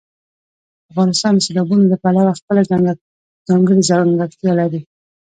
افغانستان د سیلابونو له پلوه خپله ځانګړې ځانګړتیا لري.